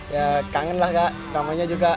ya kangen lah kak namanya juga